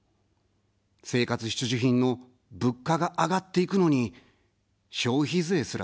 生活必需品の物価が上がっていくのに消費税すら下げない。